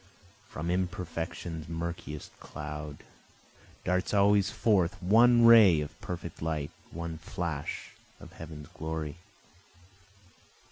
From imperfection's murkiest cloud, Darts always forth one ray of perfect light, One flash of heaven's glory.